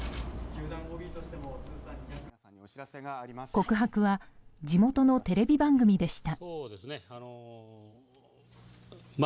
告白は地元のテレビ番組でした。